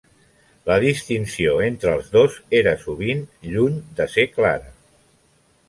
La distinció entre el dos era sovint lluny de ser clara.